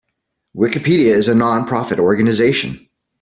Wikipedia is a non-profit organization.